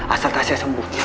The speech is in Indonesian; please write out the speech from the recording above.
asal tasha sembuh